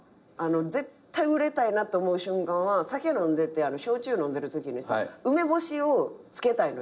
絶対売れたいなと思う瞬間は焼酎飲んでるときにさ梅干しをつけたいのよ。